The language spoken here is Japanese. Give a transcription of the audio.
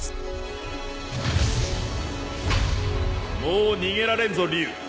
もう逃げられんぞ竜！